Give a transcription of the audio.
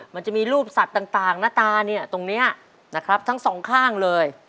มันจะมีรูปสัตว์ต่างหน้าตาเนี่ยตรงนี้นะครับทั้งสองข้างเลย